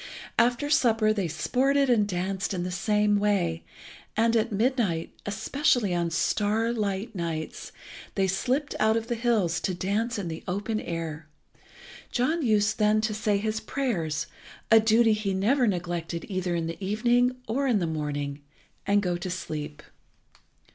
After supper they sported and danced in the same way, and at midnight, especially on star light nights, they slipped out of their hills to dance in the open air. John used then to say his prayers, a duty he never neglected either in the evening or in the morning, and go to sleep.